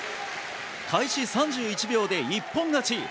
開始３１秒で一本勝ち。